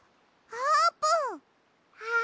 あーぷん！